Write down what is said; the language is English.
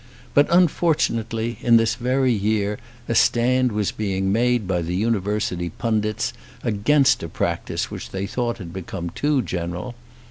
But, unfortunately, in this very year a stand was being made by the University pundits against a practice which they thought had become too general.